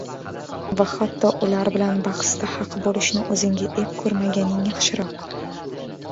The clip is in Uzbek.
va hatto ular bilan bahsda haq bo‘lishni o‘zingga ep ko‘rmaganing yaxshiroq.